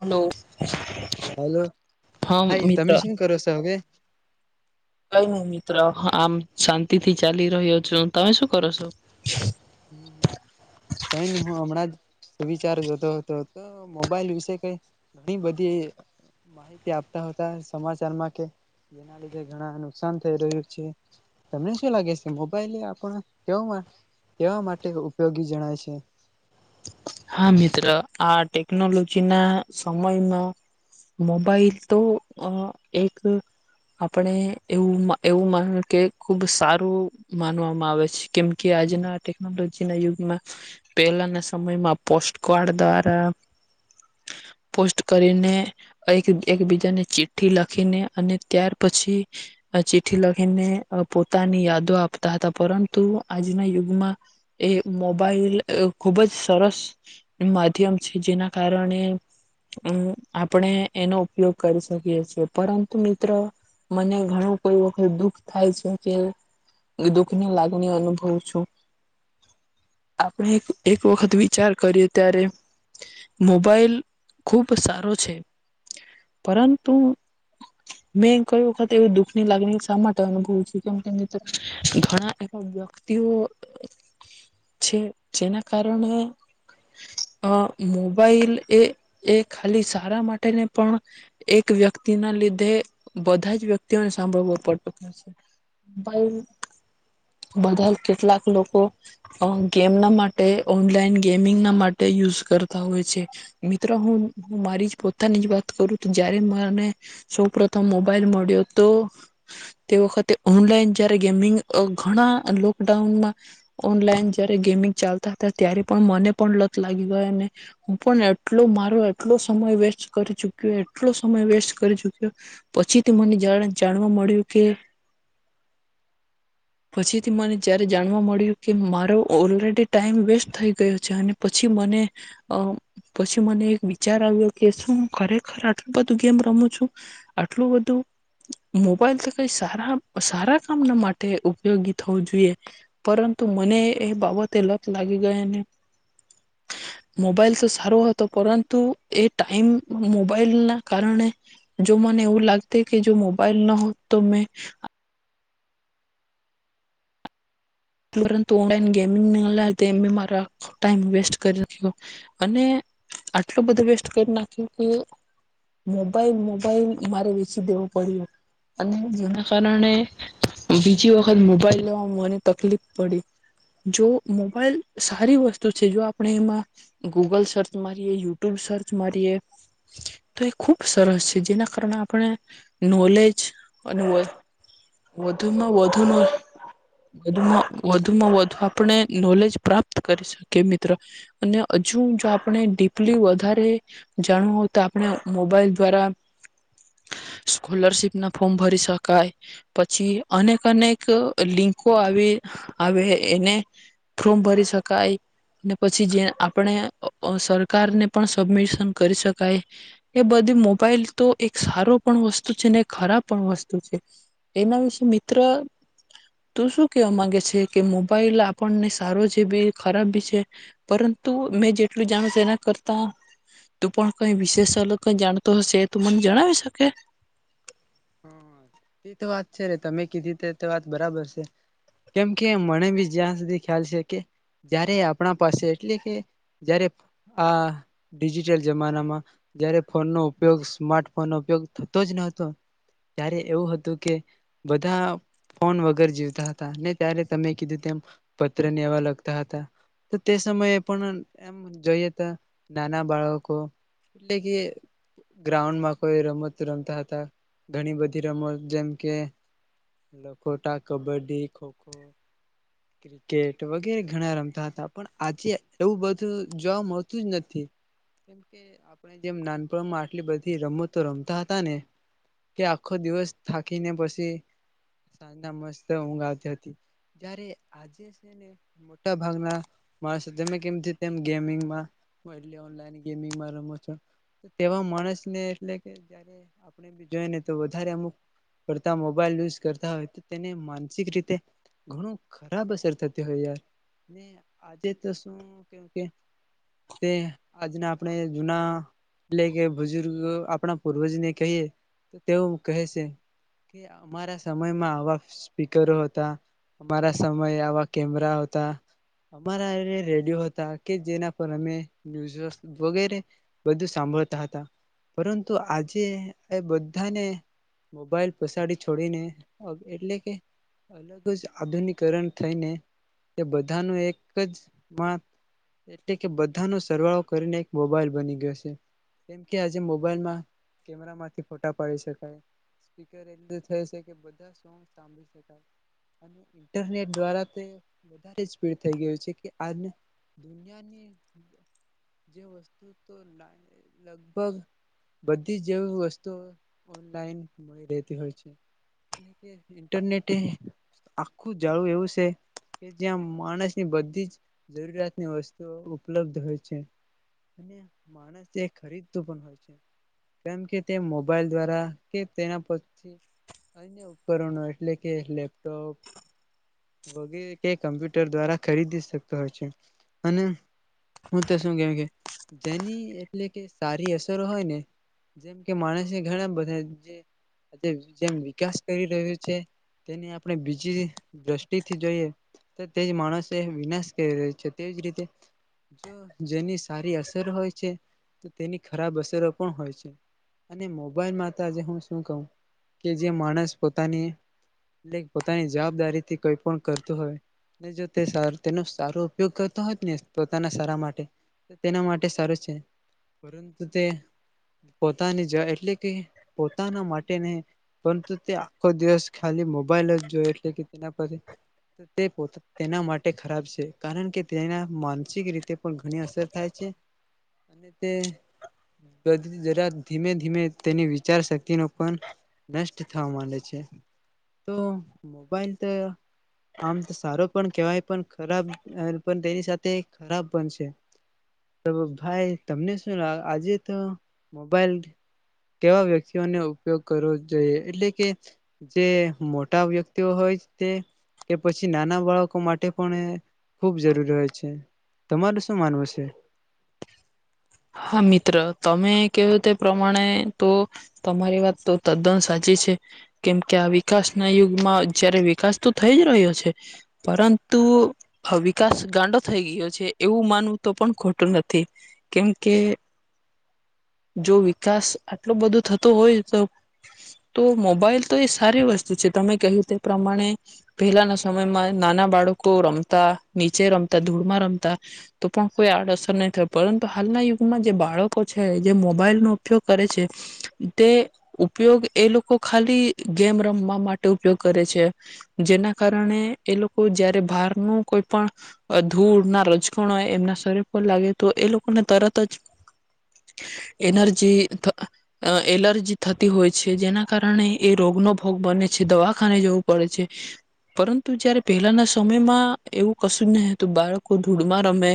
Hello. Hello હા ભાઈ, મિત્ર તમે શું કરો છો હવે? કઈ નહીં મિત્ર, આમ શાંતિથી ચાલી રહ્યો છો. તમે શું કરો છો? કંઈ નહીં, હું હમણાં જ વિચાર જોતો હતો, તો મોબાઈલ વિશે કઈ ઘણી બધી માહિતી આપતા હતા સમાચારમાં કે જેના લીધે ઘણા નુકસાન થઈ રહ્યું છે. તમને શું લાગે છે, મોબાઈલ એ આપનો કેવ? કેવા માટે ઉપયોગી જણાય છે? હા મિત્ર, આ ટેકનોલોજી ના સમયમાં મોબાઈલ તો એક આપણે એવું એવું મા કે ખુબ સારું માનવામાં આવે છે, કેમ કે આજના ટેકનોલોજી ના યુગમાં પહેલાના સમયમાં પોસ્ટ કાર્ડ દ્વારા પોસ્ટ કરીને એક એકબીજાને ચિઠ્ઠી લખીને અને ત્યાર પછી ચિઠ્ઠી લખીને પોતાની યાદો આપતા હતા, પરંતુ આજના યુગમાં એ મોબાઈલ ખુબ જ સરસ. માધ્યમ છે, જેના કારણે એમ આપને એનો ઉપયોગ કરી શકીએ છીએ, પરંતુ મિત્ર, મને ઘણું કોઈ વખતે એવું થાય છે કે હું દુઃખની લાગણી અનુભવ છુ. આપને એક વખત વિચાર કરીએ ત્યારે મોબાઈલ ખુબ સારો છે, પરંતુ મેં ક વખતેત એ દુઃખ ની લાગણી શા માટે અનુભવું છ કેમ કે મ ઘણા એવા વ્યક્તિઓ છે જેના કારણે અ મોબાઈલ એ એ ખાલી સારા માટે ને પણ એક વ્યક્તિ ના લીધે બધા જ વ્યક્તિઓને સાંભળવો પડતો મોબાઈલ બધા કેટલાક લોકો અ ગેમના માટે ઓનલાઈન ગેમિંગના માટે યુઝ કરતા હોય છે મિત્રો હું મારી જ પોતાની જ વાત કરું તો જ્યારે મને સૌ પ્રથમ મોબાઈલ મળ્યો તો તે વખતે ઓનલાઈન જ્યારે ગેમિંગ ઘણા લોકડાઉનમાં ઓનલાઈન જ્યારે ગેમિંગ ચાલતા હતા ત્યારે પણ મને પણ લત લાગી ગયોને હું પણ એટલો મારો એટલો સમય વેસ્ટ કરી ચુક્યો એટલો સમય વેસ્ટ કરી ચુક્યો પછીથી મને જ્યારે જાણવા મળ્યું કે પછીથી મને જયારે જાણવા મળ્યું કે મારો ઓલરેડી ટાઈમ વેસ્ટ થઈ ગ ગયો છે અને પછી મને પછી મને એક વિચાર આવ્યો કે શું ખરેખર આટલું બધું ગેમ રમું છું આટલું બધું મોબાઈલથી કઈ સારા સારા કામના માટે ઉપયોગી થવું જોઈએ પરંતુ મને એ બાબતે લત લાગી ગઈ અને મોબાઈલ તો સારો હતો પરંતુ એ ટાઈમ મોબાઈલ ના કારણે જો મને એવું લાગત કે જો મોબાઈલ ન હોત તો મેં પર ઓન ગેમિંગ મારો ટાઈમ વેસ્ટ કરી નાખ્યો. અને આટલો બધો વેસ્ટ કરી નાખ્યો કે મોબાઈલ મોબાઈલ મારે વેચી દેવો પડ્યો અને જેના કારણે બીજી વખત મોબાઈલ લેવાવામાં મને તકલીફ પડી. જો મોબાઈલ સારી વસ્તુ છે જો આપણે એમાં ગૂગલ સર્ચ મારીએ યુટ્યુબ સર્ચ મારીએ તો એ ખૂબ સરસ છે જેના કારણે આપણે નોલેજ અને વધુમાં વધુનો વધુમાં વધુમાં વધુ આપણે નોલેજ પ્રાપ્ત કરી શકીએ મિત્ર અને હજુ જો આપણે ડીપલી વધારે જાણવું હો તો આપણે મોબાઈલ દ્વારા સ્કોલરશીપ ના ફોર્મ ભરી શકાય પછી અનેક અનેક લિંકો આવી આવે એને ફોમ ભરી શકાય અને પછી જે આપણે અ અ સરકારને પણ સબમિશન કરી શકાય એ બધી મોબાઈલ તો એક સારો પણ વસ્તુ છે ને ખરાબ પણ વસ્તુ છે એના વિશે મિત્ર તું શું કેવા માંગ કે મોબાઈલ આપણને સારો છે બી ખરાબ બી છે પરંતુ મેં જેટલું જાણ એના કરતા તું પણ કઈ વિશેષ અલગ ક જાણતો હશે તું મને જણાવી શકે. તે તો વાત છે તમે કીધી ત તો વાત બરાબર છે કેમ કે મને બી જ્યાં સુધી ખ્યાલ છે કે જયારે આપણા પાસે એટલે કે જયારે આ ડિજિટલ જમાનામાં જયારે ફોનનો ઉપયોગ સ્માર્ટ ફોન નો ઉપયોગ થતો જ નતો. ત્યારે એવું હતું કે બધા ફોન વગર જીવતા હતા ને ત્યારે તમે કીધું તેમ પત્ર ને એવા લગતા હતા તો તે સમયે પણ એમ જોઈએ ત નાના બાળકો એટલે કે ગ્રાઉન્ડમાં કોઈ રમત રમતા હતા. ઘણી બધી રમત જેમ કે લખોટા, કબડ્ડી, ખોખો, ક્રિકેટ વગેરે ઘણા રમતા હતા પણ આજે એવું બધું જોવા મળતું જ નથી કેમકે આપણે જેમ નાનપણમાં આટલી બધી રમતો તો રમતા હતા ને એ આખો દિવસ થાકી ને પછી સાંજના મસ્ત ઊંઘ આવતી હતી ત્યારે આજે છેને મોટા ભાગના માણસ કેમ તેમ ગેમિંગમાં રમે છે તેવા માણસને એટલે કે જ આપણે જોઈને તો વધારે અમુક પડતા મોબાઈલ યુઝ કરતા હોય તો તેને માનસિક રીતે ઘણું ખરાબ અસર થતી હોય યાર આજે તો શું કે કે તે આજના આપણે જુના એટલે કે બુજુર્ગ આપણા પૂર્વજને કહીએ તો તેઓ કહે છે કે અમારા સમયમાં આવા સ્પીકરો હતા અમારા સમયે આવા કેમેરા હતા અમારા એ રેડિયો હતા કે જેના પર અમે ન્યૂઝ વગેરે બધું સાંભળતા હતા પરંતુ આજે એ બ બધાને મોબાઈલ પસાડી છોડીને એટલે કે અલગ જ આધુનિકરણ થઈને એ બધાનું એક જ એટલે કે બધાનો સરવાળો કરીને એક મોબાઈલ બની ગયો છે કેમ કે આજે મોબાઈલમાં કેમેરામાંથી ફોટા પાડી શકાય, સ્પીકર એટલું થય છે કે બધા સો સાંભળી શકાય અને ઇન્ટરનેટ દ્વારા તે બધારે સ્પીડ થઈ ગયું છે કે [unintelligible] આ દુનિયાની જે વસ્તુ તો લગભગ બધી જેવી વસ્તુ ઓનલાઈન મળી રહેતી હોય છે. ઇન્ટરનેટ આખું જાળું એવું છે કે જ્યાં માણસની બધી જ જરૂરિયાતની વસ્તુઓ ઉપલબ્ધ હોય છે અને માણસ તે ખરીદતું પણ હોય છે કેમ કે તે મોબાઈલ દ્વારા કે તેના પી અન્ય ઉપકરણો એટલે કે લેપટોપ વગેરે કે કમ્પ્યુટર દ્વારા ખરીદી શકતો હોય છે અને હું તો શું કે કે જેની એટલે કે સારી અસરો હોય ને જેમ કે માણ ઘણા બધા જે જેમ વિકાસ કરી રહ્યું છે તેની આપણે બીજી દ્રષ્ટિથી જોઈએ તો તેજ માણસે વિનાશ કરી રહી છે તેવીજ રીતે જો જેની સારી અસર હોય છે તો તેની ખરાબ અસરો પણ હોય છે. અને મોબાઈલમાં તો આજે હું શું કહું કે જે માણસ પોતાની એટલે પોતાની જવાબદારીથી કોઈ પણ કરતું હોય ને જો તે સાર તેનો સારો ઉપયોગ કરતો હોત ને પોતાના સારા માટે તો તેના માટે સારું છે પરંતુ તે પોતાની જાય એટલે કે પોતાના માટે નહીં પરંતુ તે આખો દિવસ ખાલી મોબાઈલ જ જોઈ એટલે કે તેના પર તે પો તેના માટે ખરાબ છે કારણ કે તેના માનસિક રીતે પણ ઘણી અસર થાય છે અને તે જરા ધીમે ધીમે તેની વિચાર શક્તિનો પણ નષ્ટ થવા માંડે છે તો મોબાઈલ તો આમ તો સારો પણ કહેવાય પણ ખરાબ પણ તેની સાથે ખરાબ પણ છે તો ભાઈ તમને શું આજે તો મોબાઈલ કેવા વ્યક્તિઓને ઉપયોગ કરવો જોઈએ એટલે કે જે મોટા વ્યક્તિઓ હોય તે કે પછી નાના બાળકો માટે પણ એ ખૂબ જરૂરી હોય છે. તમાર શું માનવું છે? હા મિત્ર તમે કહ્યું તે પ્રમાણે તો તમારી વાત તો તદ્દન સાચી છે કેમકે આ વિકાસના યુગમાં જયારે વિકાસ તો થઈ જ રહ્યો છે. પરંતુ વિકાસ ગાંડો થઈ ગયો છે એવું માનવું તો પણ ખોટું નથી. કેમકે જો વિકાસ આટલો બધો થતો હોય તો તો મોબાઈલ તો એ સારી વસ્તુ છે તમે કહ્યું તે પ્રમાણે પહેલાના સમયમાં નાના બાળકો રમતા નીચે રમતા ધૂળમાં રમતા તો પણ કોઈ આડઅસર નહી થાય પરં હાલના યુગમાં જે બાળકો છે, જે મોબાઈલનોો ઉપયોગ કરે છે તે ઉપયોગ એ લોકો ખાલી ગેમ રમવા માટે ઉપયોગ કરે છે. જેના કારણે એ લોકો જયારે બહારનું કોઈ પણ ધૂળ ના રજકણ હોય એમના શરીર પર લાગે તો એ લોક તરત જ એનર્જી અ એલર્જી થતી હોય છે જેના કારણે એ રોગનોો ભોગ બને છે, દવાખાને જવું પડે છે પરંતુ જયારે પહેલાના સમયમાં એવું કશું જ નહી હતું, બાળકો ધૂળમાં રમે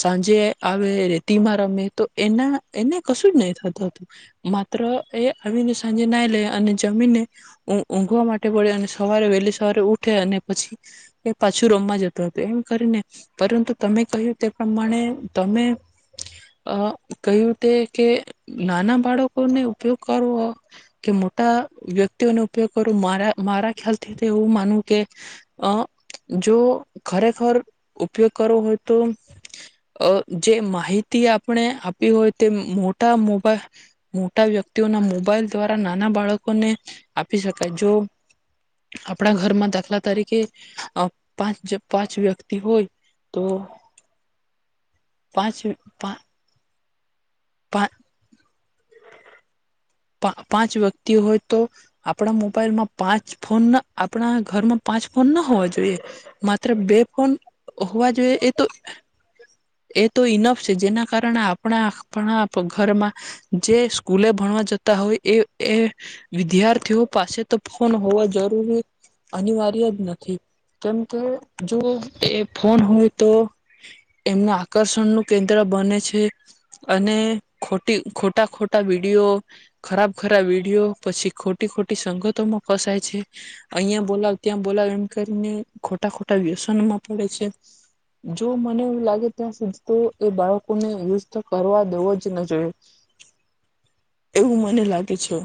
સાંજે રેતીમાં રમે તો એના એને કશું જ નહી થતું હતું માત્ર એ આવીને સાંજે નાહી લે અને જમીનને ઊંઘ ઊંઘવા માટે પડે અને સવારે વહેલી સવારે ઉઠે અને પછી એ પાછું રમવા જતું હતું એમ કરીને પરંતુ તમે કહ્યું તે પ્રમાણે તમે અ કહ્યું તે કે નાના બાળકોને ઉપયોગ કરવો કે મોટા વ્યક્તિઓને ઉપયોગ કરવો મારા મારા ખ્યાલથી એવું માનવું કે અ જો ખરેખર ઉપયોગ કરવો હોય તો અ જે માહિતી આપણે આપી હોય તે મોટા મોબાઈ મોટા વ્યક્તિઓના મોબાઈલ દ્વારા નાના બાળકોને આપી શકાય જો આપણા ઘરમાં દાખલા તરીકે પાંચ પાંચ વ્યક્તિ હોય તો પાંચ પાં પા પા પાંચ વ્યક્તિ હોય તો આપણા મોબાઈલમાં પાંચ ફોન ના આપણા ઘરમાં પાંચ ફોન ના હોવા જોઈએ માત્ર બે ફોન હોવા જોઈએ એ તો એ તો ઈનફ છે જેના કારણે આપણા આપણા ઘરમાં જે સ્કૂલે ભણવા જતા હોય એ એ વિદ્યાર્થીઓ પાસે તો ફોન હોવા જરૂરી અનિવાર્ય જ નથી. કેમકે જો એ ફોન હોય તો એમ આકર્ષણ ન કેન્દ્ર બને છે અને ખોટી ખોટા ખોટા વિડીયો ખરાબ ખરાબ વિડીયો પછી ખોટી ખોટી સંગતોમાં ફસાય છે. અહીંયા બોલાવ ત્યાં બોલાવ એમ કરીને ખોટા ખોટા વ્યસનોમાં પડે છે જો મને એવું લાગે ત્યાં સુધી તો એ બાળકોને યુઝ તો કરવા દેવો જ ન જોઈએ, એવું મને લાગે છે.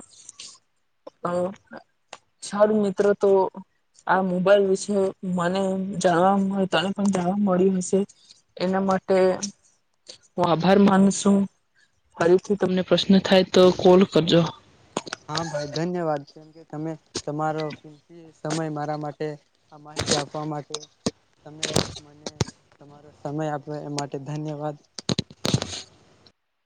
સારું મિત્રો તો આ મોબાઈલ વિશે મને જાણવા તને પણ જાણવા મળ્યું હશે. એના માટે હું આભાર માન છું ફરીથી તમને પ્રશ્ન થાય તો કોલ કરજો. હા, ભાઈ ધન્યવાદ. તમે તમારો કિંમતી સમય મારા માટે આ માહિતી આપવા માટે તમે મને તમારો સમય આપો એ માટે ધન્યવાદ.